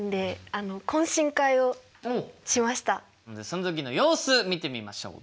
その時の様子見てみましょう。